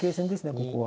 ここは。